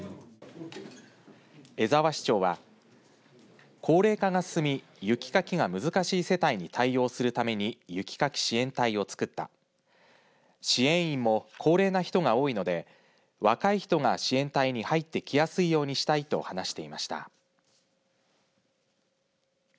江沢市長は高齢化が進みを雪かきが難しい世帯に対応するために雪かき支援隊を作った支援員も高齢な人が多いので若い人が支援隊に入ってきやすいようにしたいと話していました。